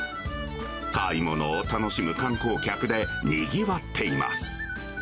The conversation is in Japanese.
買い物を楽しむ観光客でにぎわっています。